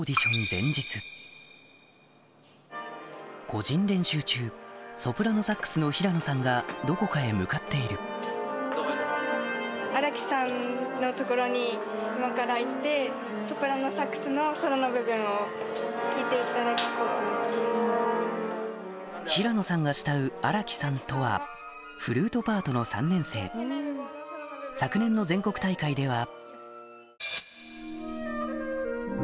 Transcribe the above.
個人練習中ソプラノサックスの平野さんがどこかへ向かっている平野さんが慕う荒木さんとはフルートパートの３年生昨年の全国大会では